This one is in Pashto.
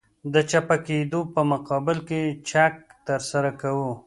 د چپه کېدو په مقابل کې چک ترسره کوو